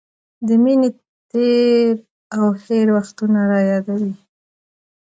د مینې تېر او هېر وختونه رايادوي.